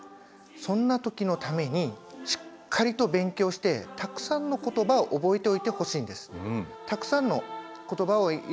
そんな時のためにしっかりと勉強してたくさんの言葉を覚えておいてほしいんです。